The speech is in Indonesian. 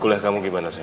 kuliah kamu gimana sayang